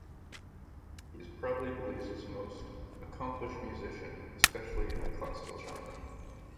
He is probably Belize's most accomplished musician, especially in the classical genre.